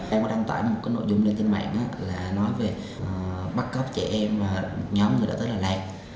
em có đăng tải một nội dung lên tin mạng là nói về bắt cóc trẻ em và nhóm người đã tới đà lạt